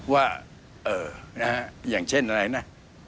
ว่าอย่างเช่นอะไรนะ